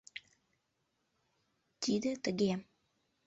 Тиде тыге...